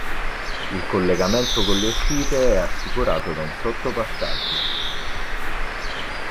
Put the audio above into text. Il collegamento con le uscite è assicurato da un sottopassaggio.